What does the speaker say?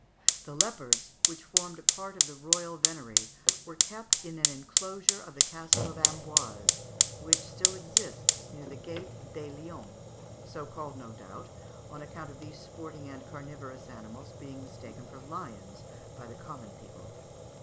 The leopards, which formed a part of the royal venery, were kept in an enclosure of the Castle of Amboise, which still exists near the gate des Lions, so called, no doubt, on account of these sporting and carnivorous animals being mistaken for lions by the common people.